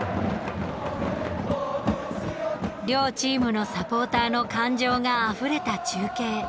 両チームのサポーターの感情があふれた中継。